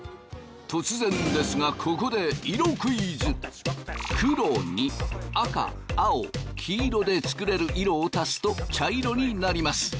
突然ですがここで黒に赤・青・黄色で作れる色を足すと茶色になります。